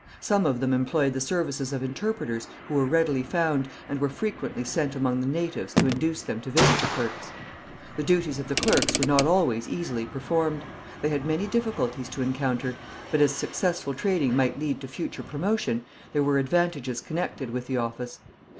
Some of them employed the services of interpreters who were readily found, and were frequently sent among the natives to induce them to visit the clerks. The duties of the clerks were not always easily performed. They had many difficulties to encounter, but as successful trading might lead to future promotion, there were advantages connected with the office.